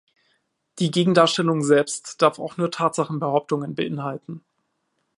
Die Gegendarstellung selbst darf auch nur Tatsachenbehauptungen beinhalten.